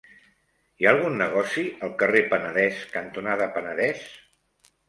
Hi ha algun negoci al carrer Penedès cantonada Penedès?